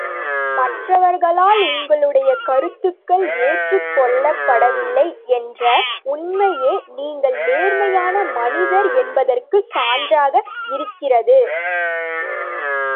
மற்றவர்களால் உங்களுடைய கருத்துக்கள் ஏற்றுக் கொள்ளப்படவில்லை என்ற உண்மையே நீங்கள் நேர்மையான மனிதர் என்பதற்குச் சான்றாக இருக்கிறது.